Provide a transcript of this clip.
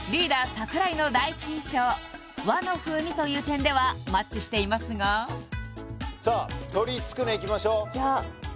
櫻井の第一印象和の風味という点ではマッチしていますがさあ鶏つくねいきましょういや